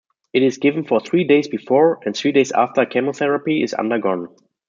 It is given for three days before, and three days after chemotherapy is undergone.